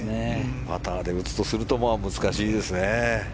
パターで打つとすると難しいですね。